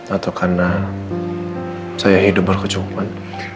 atau karena saya hidup berkecukupan